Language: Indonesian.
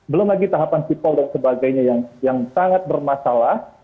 belum lagi tahapan sipol dan sebagainya yang sangat bermasalah